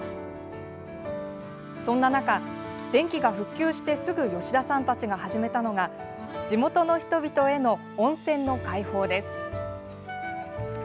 そんな中、電気が復旧してすぐ吉田さんたちが始めたのが地元の人々への温泉の開放です。